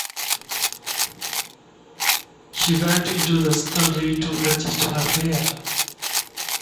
She went into the scullery to adjust her hair.